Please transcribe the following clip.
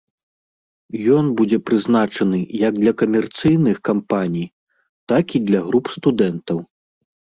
Ён будзе прызначаны як для камерцыйных кампаній, так і для груп студэнтаў.